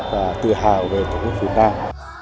và tự hào về tổ quốc việt nam